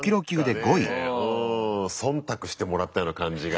うん忖度してもらったような感じが。